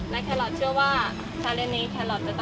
และแคลรอทเชื่อว่าชาเล็นจ์นี้